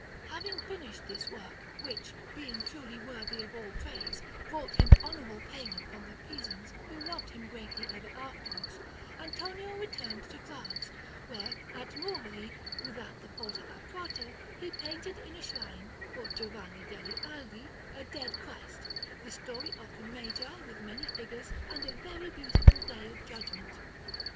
[Footnote 1: I.e., Emperor.] Having finished this work, which, being truly worthy of all praise, brought him honourable payment from the Pisans, who loved him greatly ever afterwards, Antonio returned to Florence, where, at Nuovoli without the Porta a Prato, he painted in a shrine, for Giovanni degli Agli, a Dead Christ, the story of the Magi with many figures, and a very beautiful Day of Judgment.